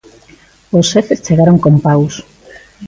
Os xefes chegaron con paus.